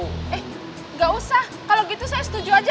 eh gak usah kalau gitu saya setuju aja